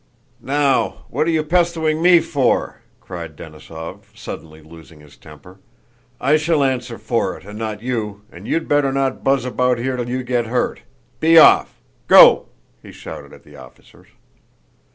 "Now, what are you pestewing me for?" cried Denísov, suddenly losing his temper. "I shall answer for it and not you, and you'd better not buzz about here till you get hurt. Be off! Go!" he shouted at the officers.